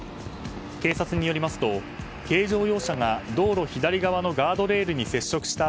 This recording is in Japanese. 警察によりますと軽乗用車が道路左側のガードレールに接触した